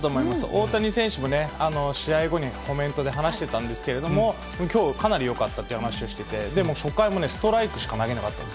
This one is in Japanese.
大谷選手も試合後にコメントで話してたんですけれども、きょうかなりよかったっていう話をしてて、でも、初回もストライクしか投げなかった。